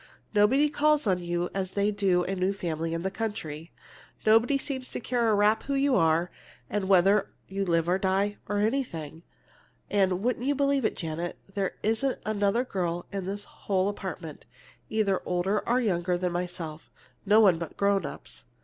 Nobody calls on you as they do on a new family in the country. Nobody seems to care a rap who you are, or whether you live or die, or anything. And would you believe it, Janet, there isn't another girl in this whole apartment, either older or younger than myself! No one but grown ups.